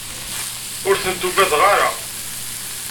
Ur ten-ugadeɣ ara.